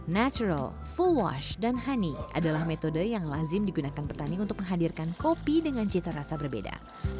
natural full wash dan honey adalah metode yang lazim digunakan petani untuk menghadirkan kopi dengan cita rasa berbeda